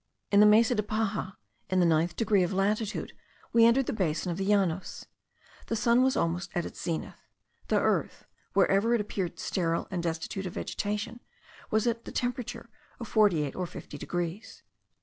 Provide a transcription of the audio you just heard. In the Mesa de Paja, in the ninth degree of latitude, we entered the basin of the Llanos. The sun was almost at its zenith; the earth, wherever it appeared sterile and destitute of vegetation, was at the temperature of 48 or 50 degrees.